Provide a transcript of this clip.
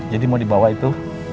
jadi mau dibawa itu